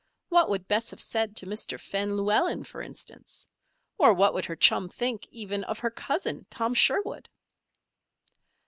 What would Bess have said to Mr. Fen Llewellen, for instance? Or what would her chum think, even, of her cousin, Tom Sherwood?